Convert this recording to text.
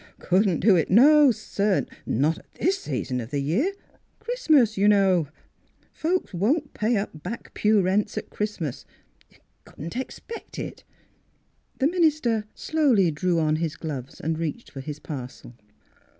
Couldn't do it ; no, sir ; not at this season of the year. Christmas, you know. Folks won't pay Miss Fhilura's Wedding Gown up back pew rents at Christmas. You couldn't expect it." The minister slowly drew on his gloves and reached for his parcel.